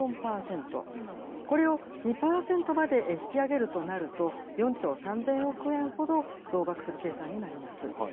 これを２％まで引き上げるとなると４兆３０００億円ほど増額する計算になります。